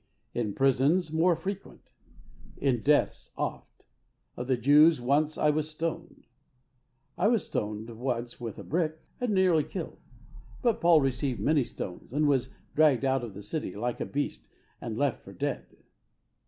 ''In prisons more frequent, "In deaths oft. Of the Jews once was I stoned.'^ I was stoned once with one brick, and nearly killed, but Paul received many stones, and was dragged out of the city like a beast, and left for dead.